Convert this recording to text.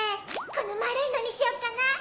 この丸いのにしよっかな。